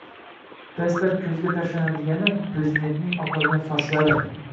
Dastlab ko‘zga tashlanadigani — Prezidentning oqargan sochi.